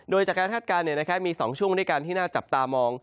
โดยจากการคาดการณ์มี๒ช่วงด้วยกันที่น่าจับตามอง